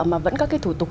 mà vẫn có cái thủ tục